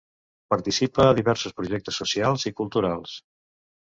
Participa a diversos projectes socials i culturals.